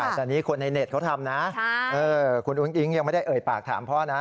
แต่นี่คนในเน็ตเขาทำนะคุณอุ้งอิ๊งยังไม่ได้เอ่ยปากถามพ่อนะ